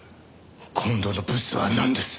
今度のブツはなんです？